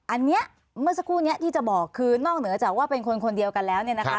อันนี้เมื่อสักครู่นี้ที่จะบอกคือนอกเหนือจากว่าเป็นคนคนเดียวกันแล้วเนี่ยนะคะ